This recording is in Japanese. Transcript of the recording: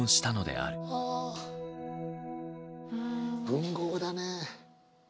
文豪だね。